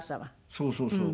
そうそうそう。